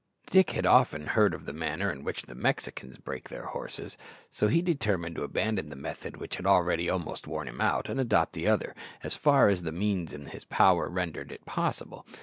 Dick had often heard of the manner in which the Mexicans "break" their horses, so he determined to abandon the method which had already almost worn him out, and adopt the other, as far as the means in his power rendered it possible.